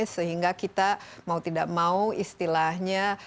sehingga kita mau tidak mau istilahnya